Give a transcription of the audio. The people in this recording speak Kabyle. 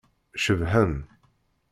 Cebḥen.